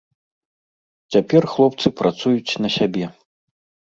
Цяпер хлопцы працуюць на сябе.